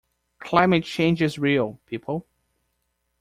Climate change is real, people.